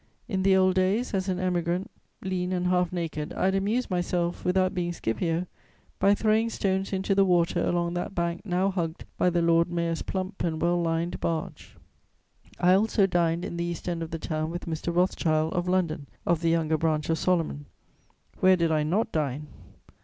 In the old days, as an Emigrant, lean and half naked, I had amused myself, without being Scipio, by throwing stones into the water along that bank now hugged by the Lord Mayor's plump and well lined barge. [Sidenote: Diners.] I also dined in the East End of the town with Mr. Rothschild of London, of the younger branch of Salomon: where did I not dine?